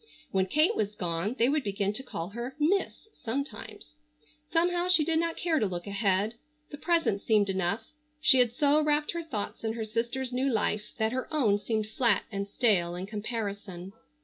When Kate was gone they would begin to call her "Miss" sometimes. Somehow she did not care to look ahead. The present seemed enough. She had so wrapped her thoughts in her sister's new life that her own seemed flat and stale in comparison.